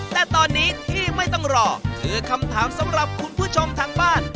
แต่ตอนนี้ที่ไม่ต้องรอคือคำถามสำหรับคุณผู้ชมทางบ้าน